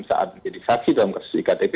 saat disaksi dalam kasus iktp